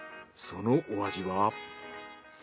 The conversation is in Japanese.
そのお味は？